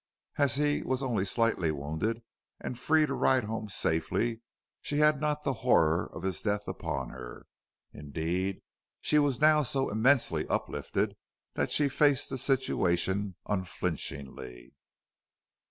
As he was only slightly wounded and free to ride home safely, she had not the horror of his death upon her. Indeed, she was now so immensely uplifted that she faced the situation unflinchingly.